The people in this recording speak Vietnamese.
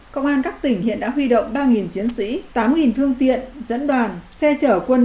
công an các tỉnh hiện đã huy động ba chiến sĩ tám phương tiện dẫn đoàn xe chở quân